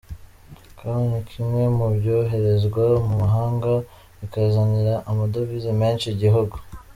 Kawa ni kimwe mu byoherezwa mu mahanga bikazanira amadovize menshi igihugu.